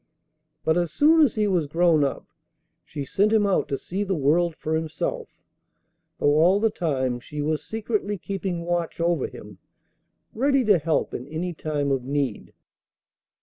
But as soon as he was grown up she sent him out to see the world for himself, though all the time she was secretly keeping watch over him, ready to help in any time of need.